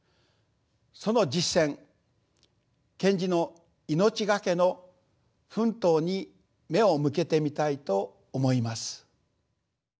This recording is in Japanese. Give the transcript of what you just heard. その実践賢治の命懸けの奮闘に目を向けてみたいと思います。